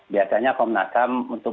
biasanya kompolnasam untuk